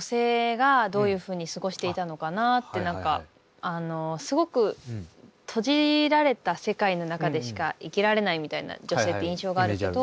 私はやっぱりすごく閉じられた世界の中でしか生きられないみたいな女性って印象があるけど。